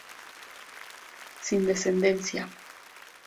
Sin descendencia.